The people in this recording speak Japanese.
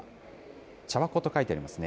ちゃばこと書いてありますね。